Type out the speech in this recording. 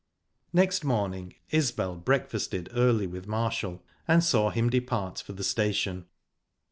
Next morning Isbel breakfasted early with Marshall, and saw him depart for the station.